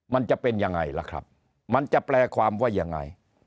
มันจะเป็นยังไงล่ะครับมันจะแปลความว่ายังไง